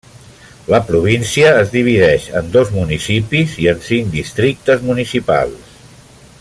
La província es divideix en dos municipis i en cinc districtes municipals.